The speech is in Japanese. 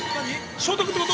消毒ってこと？